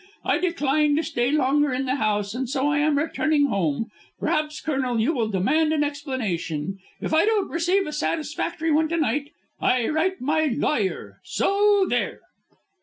I decline to stay longer in that house, and so I am returning home. Perhaps, Colonel, you will demand an explanation. If I don't receive a satisfactory one to night, I write to my lawyer. So there!"